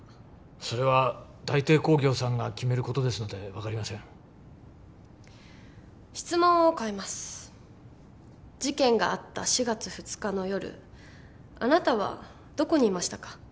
それは大帝工業さんが決めることですので分かりません質問を変えます事件があった４月２日の夜あなたはどこにいましたか？